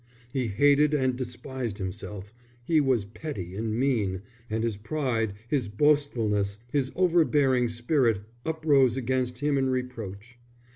He hated and despised himself; he was petty and mean; and his pride, his boastfulness, his overbearing spirit, uprose against him in reproach.